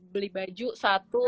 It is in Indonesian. beli baju satu